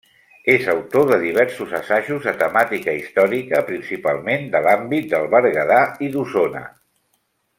És autor de diversos assajos de temàtica històrica, principalment de l'àmbit del Berguedà i d'Osona.